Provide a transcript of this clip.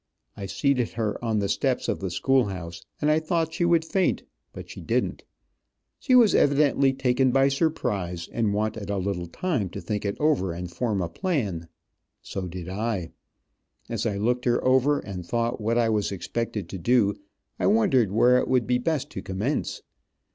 I seated her on the steps of the schoolhouse, and I thought she would faint, but she didn't. She was evidently taken by surprise, and wanted a little time to think it over, and form a plan. So did I. As I looked her over, and thought what I was expected to do, I wondered where it would be best to commence.